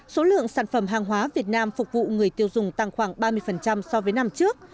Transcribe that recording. số lượng sản phẩm hàng hóa việt nam phục vụ người tiêu dùng tăng khoảng ba mươi so với năm trước